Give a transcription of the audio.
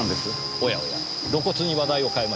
おやおや露骨に話題を変えましたね。